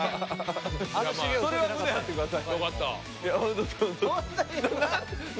それは胸張ってください。